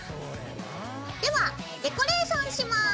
ではデコレーションします。